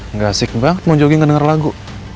nggak asik banget mau jogging ngedengar lagu